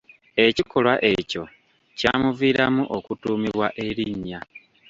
Ekikolwa ekyo kyamuviiramu okutuumibwa erinnya.